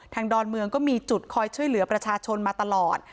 ดอนเมืองก็มีจุดคอยช่วยเหลือประชาชนมาตลอด